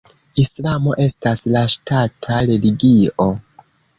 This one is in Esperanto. Islamo estas la ŝtata religio.